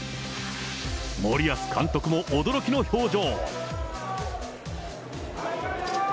森保監督も驚きの表情。